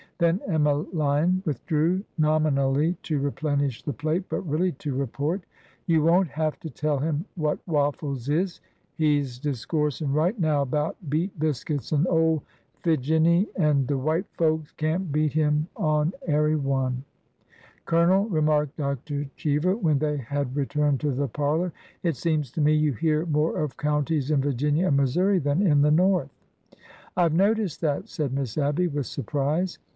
Then Emmeline withdrew, nominally to replenish the plate, but really to report : "You won't have to tell him what waffles is ! He 's discoursin' right now about beat biscuits an' ole Figinny, an' de white folks can't beat him on ary one !"" Colonel," remarked Dr. Cheever when they had re turned to the parlor, " it seems to me you hear more of counties in Virginia and Missouri than in the North." " I 've noticed that," said Miss Abby, with surprise.